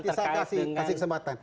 bisa kasih kesempatan